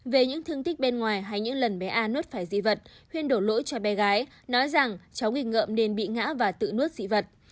về những thương tích bên ngoài hay những lần bé a nuốt phải dị vật huyền đổ lỗi cho bé gái nói rằng cháu nghịch ngợm nên bị ngã và tự nuốt dị vật